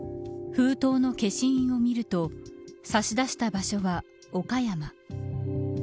封筒の消印を見ると差し出した場所は岡山。